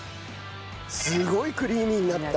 すごいクリーミーになった。